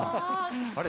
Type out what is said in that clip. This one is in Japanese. あれ？